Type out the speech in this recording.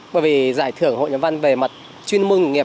bởi vì giải thưởng hội nhân văn về mặt chuyên mưu nghiệp